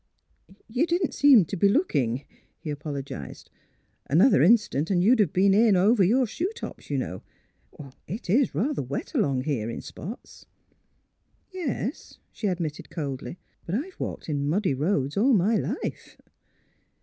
" You didn't seem to be looking," he apologised. " Another instant and you'd have been in over your shoe tops, you know. It — it's rather wet along here, in spots." " Yes," she admitted, coldly, '' but I've walked in muddy roads all my life."